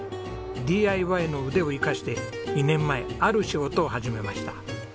ＤＩＹの腕を生かして２年前ある仕事を始めました。